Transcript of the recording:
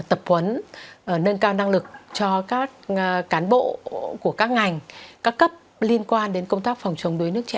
tập huấn nâng cao năng lực cho các cán bộ của các ngành các cấp liên quan đến công tác phòng chống đuối nước trẻ